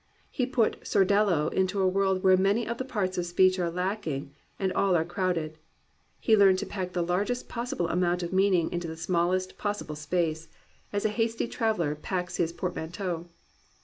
He put Sordello into a world where many of the parts of speech are lacking and all are crowded. He learned to pack the largest possible amount of meaning into the smallest possible space, as a hasty traveller packs his portmanteau.